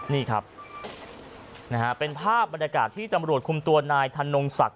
นี่ครับนะฮะเป็นภาพบรรยากาศที่ตำรวจคุมตัวนายธนงศักดิ